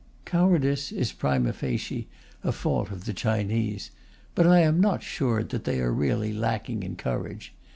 Cowardice is prima facie a fault of the Chinese; but I am not sure that they are really lacking in courage.